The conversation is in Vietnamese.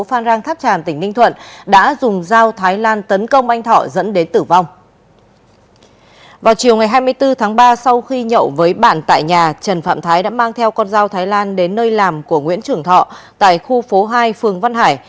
vào chiều ngày hai mươi bốn tháng ba sau khi nhậu với bạn tại nhà trần phạm thái đã mang theo con dao thái lan đến nơi làm của nguyễn trường thọ tại khu phố hai phường văn hải